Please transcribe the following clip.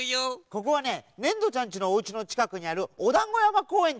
ここはねねんどちゃんちのおうちのちかくにあるおだんごやまこうえんっていうんだ。